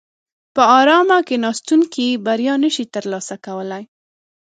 په ارامه کیناستونکي بریا نشي ترلاسه کولای.